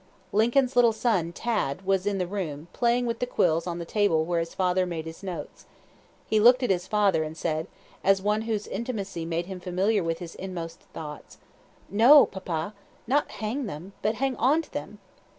Lincoln's little son, Tad, was in the room, playing with the quills on the table where his father made his notes. He looked at his father, and said, as one whose intimacy made him familiar with his inmost thoughts: "No, papa; not hang them but hang on to them!"